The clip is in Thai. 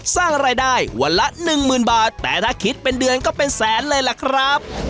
สร้างรายได้วันละหนึ่งหมื่นบาทแต่ถ้าคิดเป็นเดือนก็เป็นแสนเลยล่ะครับ